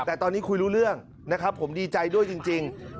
แต่ตอนนี้คุยรู้เรื่องนะครับผมดีใจด้วยจริง